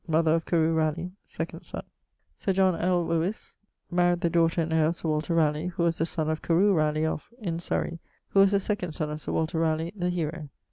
..., mother of Carew Ralegh, second son. Sir John Elwowys maried the daughter and heir of Sir Walter Ralegh, who was the sonn of Carew Ralegh of ... in Surrey, who was the second son of Sir Walter Ralegh, the hero.